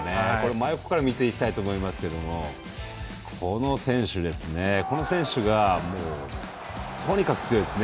真横から見ていきたいと思いますけどこの選手が、とにかく強いです。